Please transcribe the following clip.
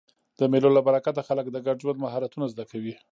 د مېلو له برکته خلک د ګډ ژوند مهارتونه زده کوي.